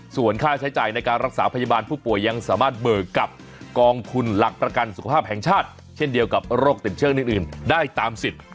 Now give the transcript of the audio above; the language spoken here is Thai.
ส่วนค่าใช้จ่ายในการรักษาพยาบาลผู้ป่วยยังสามารถเบิกกับกองทุนหลักประกันสุขภาพแห่งชาติเช่นเดียวกับโรคติดเชื้ออื่นได้ตามสิทธิ์